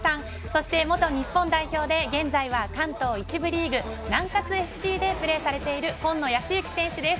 そして、元日本代表で現在は関東１部リーグ南葛ＳＣでプレーされている今野泰幸選手です。